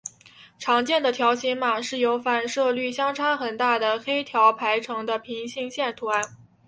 常见的条形码是由反射率相差很大的黑条排成的平行线图案。